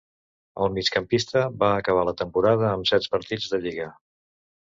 El migcampista va acabar la temporada amb set partits de lliga.